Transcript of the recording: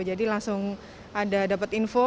jadi langsung ada dapat info